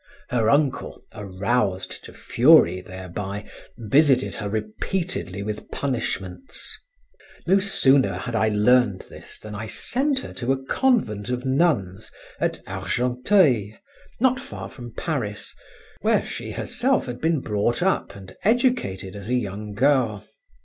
Her uncle, aroused to fury thereby, visited her repeatedly with punishments. No sooner had I learned this than I sent her to a convent of nuns at Argenteuil, not far from Paris, where she herself had been brought up and educated as a young girl.